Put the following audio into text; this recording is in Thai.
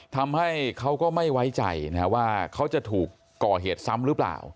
ทำให้เขาก็ไม่ไว้ใจนะว่าเขาจะถูกก่อเหตุซ้ำหรือเปล่า